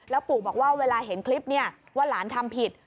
ปู่บอกว่าเวลาเห็นคลิปนี้ว่าหลานทำผิด